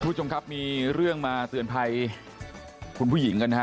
คุณผู้ชมครับมีเรื่องมาเตือนภัยคุณผู้หญิงกันนะฮะ